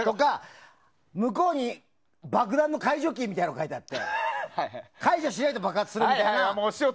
向こうに爆弾の解除キーみたいなのが書いてあって解除しないと爆発するみたいな。